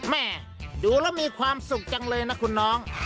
แม่ดูแล้วมีความสุขจังเลยนะคุณน้อง